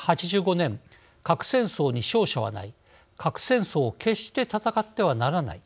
「核戦争に勝者はない核戦争を決して戦ってはならない」